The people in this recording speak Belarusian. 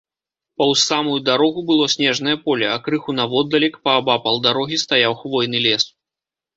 Паўз самую дарогу было снежнае поле, а крыху наводдалек, паабапал дарогі, стаяў хвойны лес.